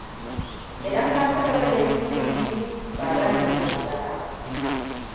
Idan ka ci gaba da yi mini ihu ba za mu iya magana ba.